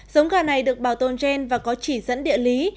giống gà này được bảo tồn gen và có chỉ dẫn địa lý